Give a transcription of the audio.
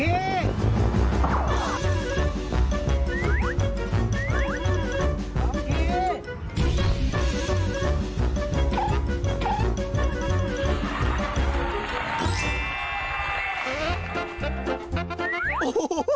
โอ้โฮ